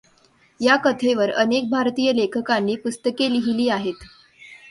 या कथेवर अनेक भारतीय लेखकांनी पुस्तके लिहिली आहेत.